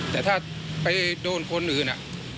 แต่ถ้าไปโดนคนอื่น